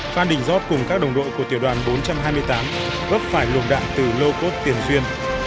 phan đình giót cùng các đồng đội của tiểu đoàn bốn trăm hai mươi tám gấp phải lùng đạn từ lô cốt tiền duyên